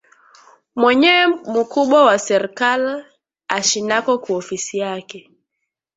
Mwenyewe mukubwa wa serkali ashinako ku ofisi yake